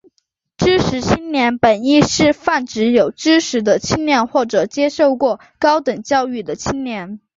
知识青年本义是泛指有知识的青年或者接受过高等教育的青年。